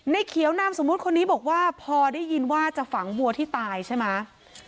เขียวนามสมมุติคนนี้บอกว่าพอได้ยินว่าจะฝังวัวที่ตายใช่ไหม